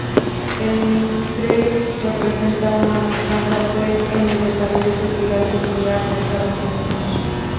El minstrel representa un gran papel en el desarrollo cultural popular de Estados Unidos.